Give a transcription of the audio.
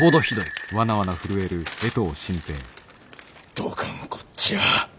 どがんこっじゃ！